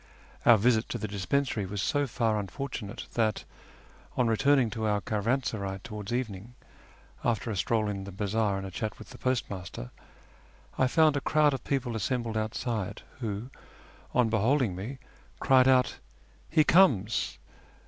Our visit to the dispensary was so far unfortunate that, on returning to our caravansaray towards evening, after a stroll in the bazaar and a chat with the postmaster, I found a crowd of people assembled outside, who, on beholding me, cried out, " He comes